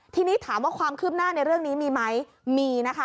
ทีนี้ถามว่าความคืบหน้าในเรื่องนี้มีไหมมีนะคะ